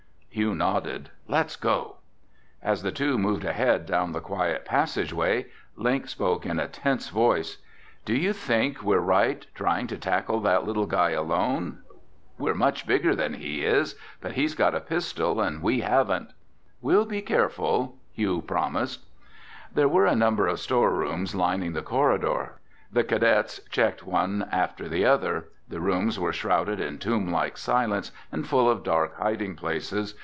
Hugh nodded. "Let's go." As the two moved ahead down the quiet passageway, Link spoke in a tense voice, "Do you think we're right trying to tackle that little guy alone? We're each bigger than he is, but he's got a pistol and we haven't." "We'll be careful," Hugh promised. There were a number of storerooms lining the corridor. The cadets checked one after another. The rooms were shrouded in tomblike silence and full of dark hiding places.